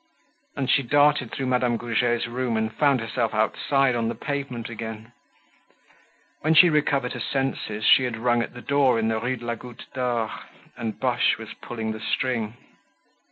And she darted through Madame Goujet's room and found herself outside on the pavement again. When she recovered her senses she had rung at the door in the Rue de la Goutte d'Or and Boche was pulling the string.